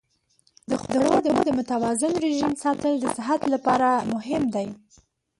د خوړو د متوازن رژیم ساتل د صحت لپاره مهم دی.